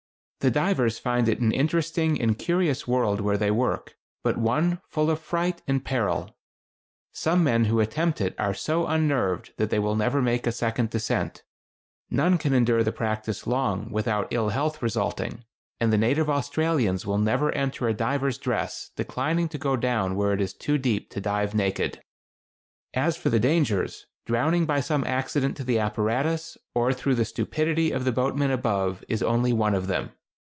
The divers find it an interesting and curious world where they work, but one full of fright and peril. Some men who attempt it are so unnerved that they will never make a second descent. None can endure the practice long without ill health resulting; and the native Australians will never enter a diver's dress, declining to go down where it is too deep to dive naked. [Illustration: MITER SHELLS. a. Mitra vulpecula. b. Mitra episcopalis.] As for the dangers, drowning by some accident to the apparatus, or through the stupidity of the boatmen above, is only one of them.